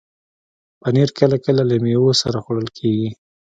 پنېر کله کله له میوو سره خوړل کېږي.